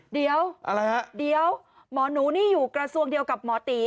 เดี๋ยวอะไรฮะเดี๋ยวหมอหนูนี่อยู่กระทรวงเดียวกับหมอตี